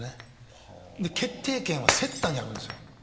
決定権はセッターにあるんですよ。